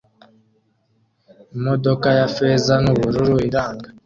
Imodoka ya feza nubururu iranga